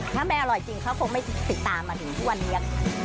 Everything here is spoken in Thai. ถ้าไม่อร่อยจริงเขาคงไม่ติดตามมาถึงทุกวันนี้